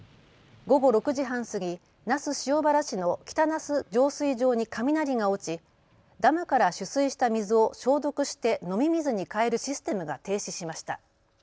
午後６時半過ぎ、那須塩原市の北那須浄水場に雷が落ちダムから取水した水を消毒して飲み水に変えるシステムが停止しました。